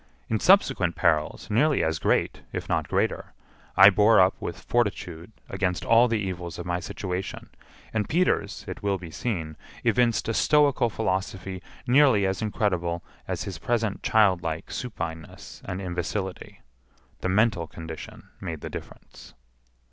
In subsequent perils, nearly as great, if not greater, I bore up with fortitude against all the evils of my situation, and Peters, it will be seen, evinced a stoical philosophy nearly as incredible as his present childlike supineness and imbecility—the mental condition made the difference.